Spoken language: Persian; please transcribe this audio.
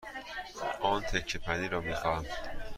آن تکه پنیر را می خواهم.